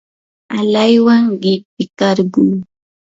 alaywan qintikarquu.